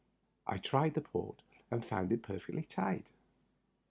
I tried the port, and found it perfectly tight.